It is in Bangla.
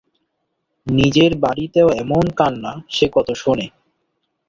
নিজের বাড়িতেও এমন কান্না সে কত শোনে।